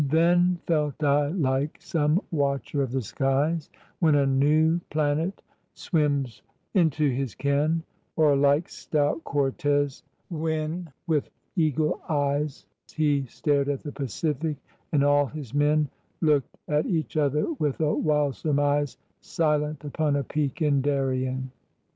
" TThenfelt I like some watcher of the skies When a new planet swims into his ken; Or like stout Cortez^ when with eagle eyes He stared at the Pacific — and all his men Looked at each other with a wild surmise — Silent^ upon a peak in Darien^^ V 322 TRANSITION.